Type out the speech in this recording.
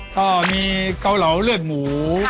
ก็มีเกาเหลาเลือดหมู